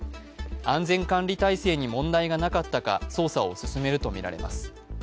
安全管理態勢に問題がなかったか捜査を進めるとみられます。